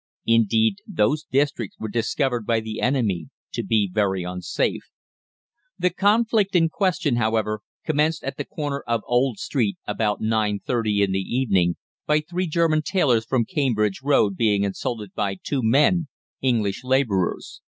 Indeed, those districts were discovered by the enemy to be very unsafe. The conflict in question, however, commenced at the corner of Old Street at about 9.30 in the evening, by three German tailors from Cambridge Road being insulted by two men, English labourers.